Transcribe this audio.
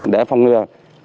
để phòng ngừa